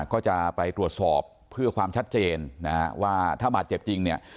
ก็จะไปตรวจสอบเพื่อความชัดเจนนะฮะว่าถ้าบาดเจ็บจริงเนี่ย